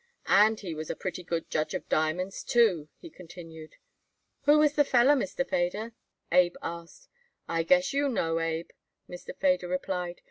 "And he was a pretty good judge of diamonds, too," he continued. "Who was the feller, Mr. Feder?" Abe asked. "I guess you know, Abe," Mr. Feder replied.